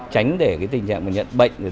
tránh để cái tình trạng mà nhận bệnh để đợi